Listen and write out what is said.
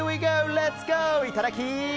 いただき！